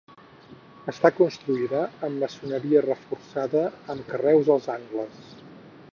Està construïda amb maçoneria reforçada amb carreus als angles.